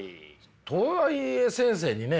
とはいえ先生にね。